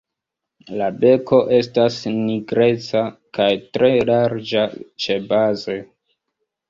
La beko estas nigreca kaj tre larĝa ĉebaze.